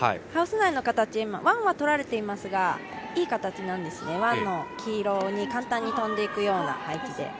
ハウス内の形、ワンは取られていますがいい形なんですね、ワンの黄色に簡単に飛んでいくような配置で。